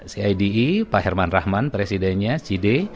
cide pak herman rahman presidennya cide